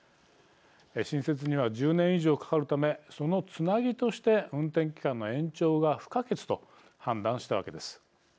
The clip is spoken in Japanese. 新設には１０年以上かかるためそのつなぎとして運転期間の延長が不可欠と判断したわけです。